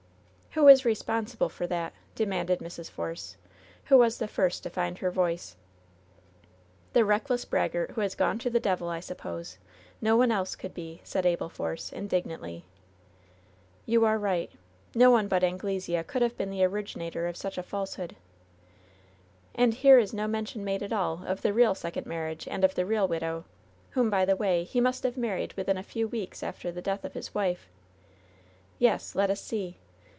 '^Who is responsible for that V^ demanded Mrs. Force, who was the first to find her voice. ^^The reckless braggart who has gone to the devil, I suppose! No one else could be," said Abel Foroe, in dignantly. LOVE'S BITTEREST CUP 41 'TTou are right. No one but Anglesea could have been the originator of such a falsehood." "And here is no mention made at all of the real sec ond marriage and of the real widow ; whom, by the way, he must have married within a few weeks after the death of his wife. Yet! let us see!